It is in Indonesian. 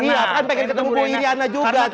iya kan pengen ketemu bu iriana juga tiap hari